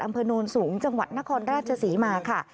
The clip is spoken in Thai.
อำเภอโนรสูงจังหวัดนครราชศรีมาค่ะ